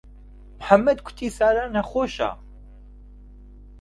موحەممەد گوتی سارا نەخۆشە.